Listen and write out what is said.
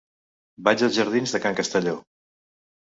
Vaig als jardins de Can Castelló.